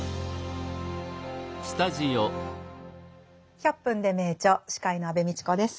「１００分ｄｅ名著」司会の安部みちこです。